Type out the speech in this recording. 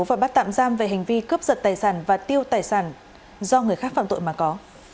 và bắt tạm giam về hành vi cướp giật tài sản và tiêu tài sản do người khác phạm tội mà có